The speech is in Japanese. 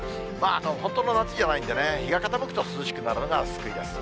本当の夏じゃないんでね、日が傾くと涼しくなるのが救いです。